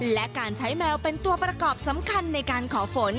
และการใช้แมวเป็นตัวประกอบสำคัญในการขอฝน